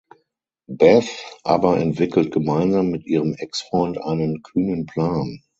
Beth aber entwickelt gemeinsam mit ihrem Exfreund einen kühnen Plan.